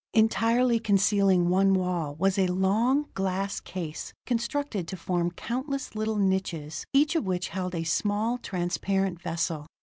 Entirely concealing one wall was a long, glass case, constructed to form countless little niches, each of which held a small, transparent vessel.